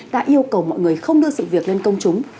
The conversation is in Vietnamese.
đã yêu cầu mọi người không đưa sự việc lên công chúng